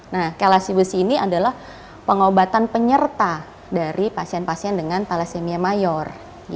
nah kelasi besi ini adalah pengobatan penyerta dari pasien pasien dengan thalassemia mayor